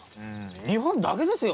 日本だけですよ